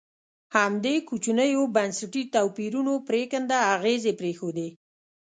همدې کوچنیو بنسټي توپیرونو پرېکنده اغېزې پرېښودې.